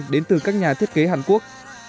đến từ các nhà thiết kế hàn quốc